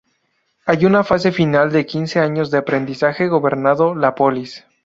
Hay una fase final de quince años de aprendizaje gobernando la polis.